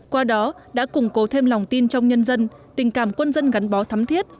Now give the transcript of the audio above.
qua đó đã củng cố thêm lòng tin trong nhân dân tình cảm quân dân gắn bó thắm thiết